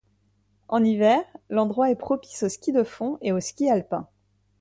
En hiver, l'endroit est propice au ski de fond et au ski alpin.